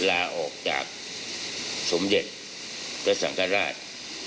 ลาออกจากสมเยณฑิริติปราสังธาราชท่านก็ลาออกจากสมเยณฑิริติปราสังธาราช